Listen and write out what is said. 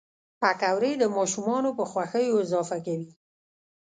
پکورې د ماشومانو په خوښیو اضافه کوي